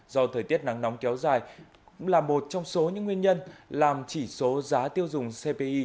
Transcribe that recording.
do thời tiết nắng nóng kéo dài cũng là một trong số những nguyên nhân làm chỉ số giá tiêu dùng cpi